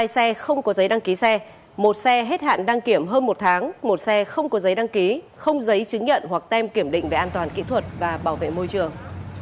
hai xe không có giấy đăng ký xe một xe hết hạn đăng kiểm hơn một tháng một xe không có giấy đăng ký không giấy chứng nhận hoặc tem kiểm định về an toàn kỹ thuật và bảo vệ môi trường